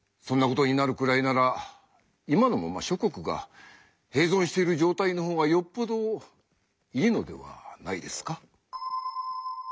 そんな事になるくらいなら今のまま諸国が併存している状態の方がよっぽどいいのではないですか？